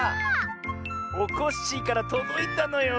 おこっしぃからとどいたのよ。